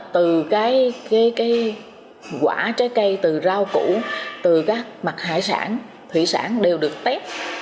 từ cái quả trái cây từ rau củ từ các mặt hải sản thủy sản đều được test